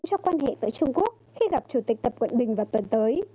cho quan hệ với trung quốc khi gặp chủ tịch tập vận bình vào tuần tới